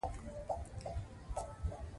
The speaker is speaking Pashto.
غابي وايي چې روژه د زغم سبب ګرځي.